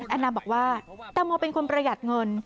นานาบอกว่าแตงโมเป็นคนประหยัดเงิน